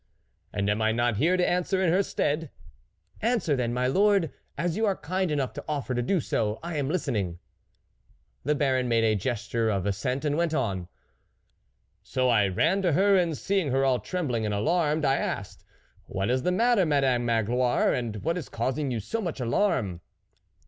" And am I not here to answer in her stead ?"" Answer then, my lord, as you are kind enough to offer to do so ; I am listening." The Baron made a gesture of assent, and went on :" So I ran to her, and seeing her all trembling and alarmed, I asked, ' What is the matter, Madame Magloire, and what is causing you so much alarm